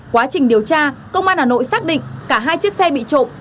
quá trình điều tra công an hà nội xác định cả hai chiếc xe bị trộm